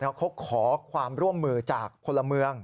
เขาขอความร่วมมือจากพลเมือง